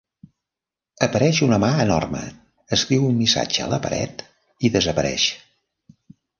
Apareix una mà enorme, escriu un missatge a la paret i desapareix.